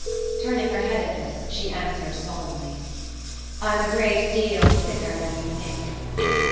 Turning her head at this, she answered solemnly: "I'm a great deal sicker than you think."